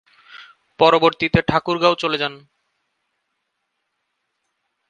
পরবর্তীতে ঠাকুরগাঁও চলে যান।